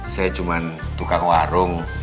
saya cuma tukang warung